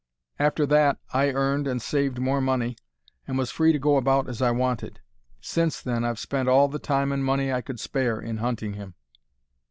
After that I earned and saved more money, and was free to go about as I wanted. Since then I've spent all the time and money I could spare in hunting him.